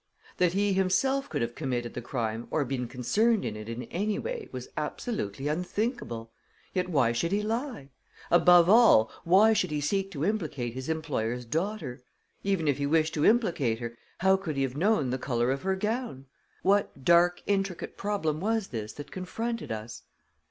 That he himself could have committed the crime or been concerned in it in any way was absolutely unthinkable. Yet why should he lie? Above all, why should he seek to implicate his employer's daughter? Even if he wished to implicate her, how could he have known the color of her gown? What dark, intricate problem was this that confronted us?